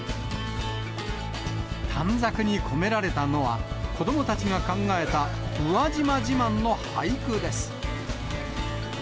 短冊に込められたのは、子どもたちが考えた宇和島自慢の俳句です。